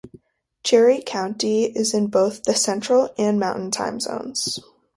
Cherry County is in both the Central and Mountain time zones.